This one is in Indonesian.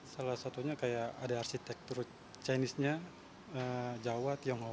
salah satunya kayak ada arsitektur chinese nya jawa tionghoa